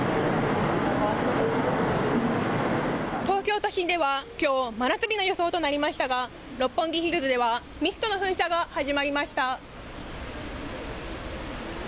東京都心では、きょう真夏日の予想となりましたが六本木ヒルズではミストの噴射が始まりました。